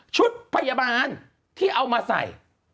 ชุดพยาบาลที่เอามาใส่